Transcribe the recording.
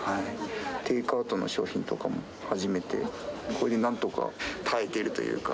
テイクアウトの商品とかも始めて、それでなんとか耐えてるというか。